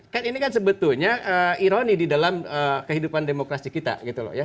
kan ini kan sebetulnya ironi di dalam kehidupan demokrasi kita gitu loh ya